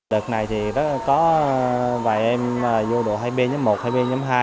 đợt này thì có vài em vô độ hai b một hai b hai